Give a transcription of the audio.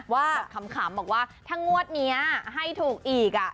แบบขำบอกว่าถ้างวดนี้ให้ถูกอีก